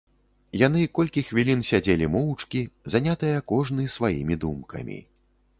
Яны колькі хвілін сядзелі моўчкі, занятыя кожны сваімі думкамі.